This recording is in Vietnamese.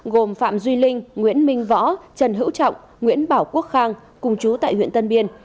gồm phạm duy linh nguyễn minh võ trần hữu trọng nguyễn bảo quốc khang cùng chú tại huyện tân biên